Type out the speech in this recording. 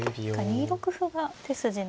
２六歩が手筋の。